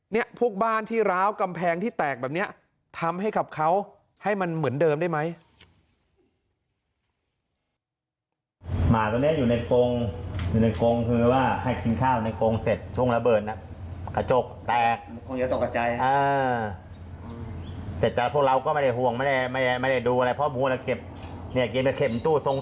เนี่ยพวกบ้านที่ร้าวกำแพงที่แตกแบบนี้ทำให้กับเขาให้มันเหมือนเดิมได้ไหม